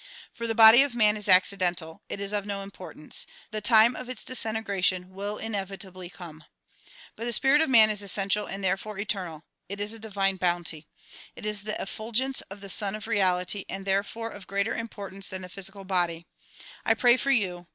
For the body of man is accidental ; it is of no importance. The time of its disintegration will inevitably come. But the spirit of man is essential and there fore eternal. It is a divine bounty. It is the eflfulgence of the Sun of Reality and therefore of greater importance than the physical body. I pray for you.